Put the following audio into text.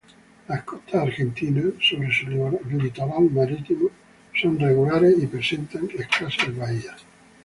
Las costas argentinas, sobre su litoral marítimo, son regulares y presentan escasas bahías.